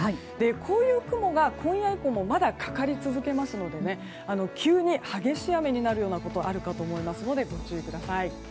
こういう雲が今夜以降もまだ、かかり続けますので急に激しい雨になるようなこともあるかと思いますのでご注意ください。